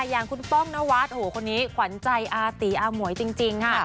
อย่างคุณป้องนวัดคนนี้ขวัญใจอาตีอาหมวยจริงค่ะ